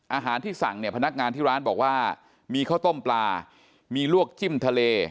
อาหารที่สั่งเนี่ยพนักงานที่ร้านบอกว่ามีข้าวต้มปลามีลวกจิ้มทะเล